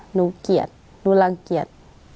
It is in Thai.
เกลียดหนูรังเกียจ